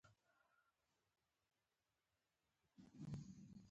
دوی پر لویې قوې ډېر غټ بری تر لاسه کړی.